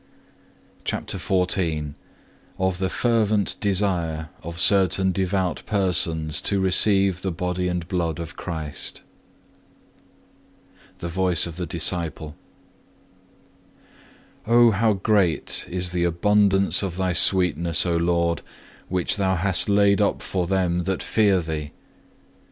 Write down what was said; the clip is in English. (1) John xv. 4. (2) Cant. v. 10. (3) Deuteronomy iv. 7. CHAPTER XIV Of the fervent desire of certain devout persons to receive the Body and Blood of Christ The Voice of the Disciple O how great is the abundance of Thy sweetness, O Lord, which Thou hast laid up for them that fear Thee.